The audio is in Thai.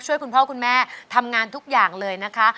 คุณพ่อคุณแม่ทำงานทุกอย่างเลยนะคะ